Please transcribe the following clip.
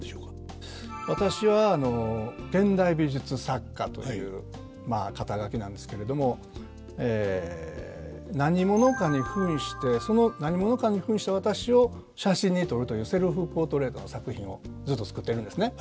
私は現代美術作家というまあ肩書なんですけれども何者かにふんしてその何者かにふんした私を写真に撮るというセルフポートレートの作品をずっと作ってるんですね。